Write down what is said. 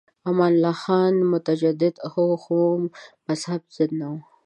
امان الله خان متجدد و خو د مذهب ضد نه و.